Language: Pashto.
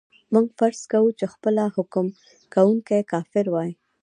موږ فرض کوو چې خپله حکم کوونکی کافر وای.